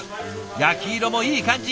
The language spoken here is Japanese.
焼き色もいい感じ。